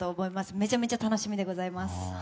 めちゃめちゃ楽しみでございます。